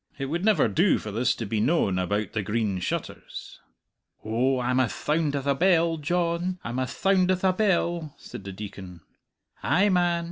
"It would never do for this to be known about the 'Green Shutters.'" "Oh, I'm ath thound ath a bell, Dyohn, I'm ath thound ath a bell," said the Deacon. "Ay, man!